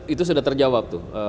itu sudah terjawab tuh